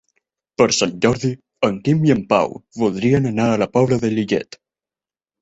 Per Sant Jordi en Quim i en Pau voldrien anar a la Pobla de Lillet.